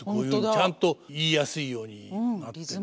ちゃんと言いやすいようになってるんですね。